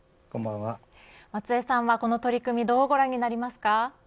松江さんはこの取り組みどうご覧になりますか。